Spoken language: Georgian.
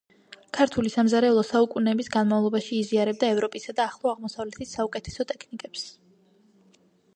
ქართული სამზარეულო საუკუნეების განმავლობაში იზიარებდა ევროპისა და ახლო აღმოსავლეთის საუკეთესო ტექნიკებს.